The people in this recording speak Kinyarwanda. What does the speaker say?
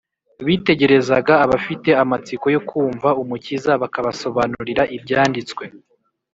bitegerezaga abafite amatsiko yo kumva umukiza, bakabasobanurira ibyanditswe